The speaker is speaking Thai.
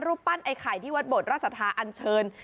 ปั้นไอ้ไข่ที่วัดบทราชสัทธาอันเชิญ